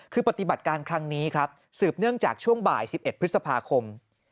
คือปฏิบัติการครั้งนี้ครับสืบเนื่องจากช่วงบ่าย๑๑พฤษภาคม